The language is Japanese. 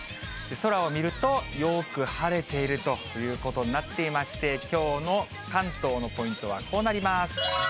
空を見ると、よく晴れているということになっていまして、きょうの関東のポイントはこうなります。